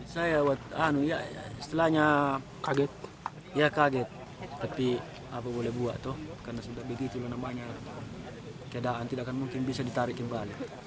saya setelahnya kaget tapi apa boleh buat tuh karena sudah begitu namanya keadaan tidak mungkin bisa ditarikin balik